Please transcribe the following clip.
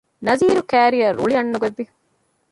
ނަޒީރު ކައިރިއަށް ރުޅި އަންނަ ގޮތް ވި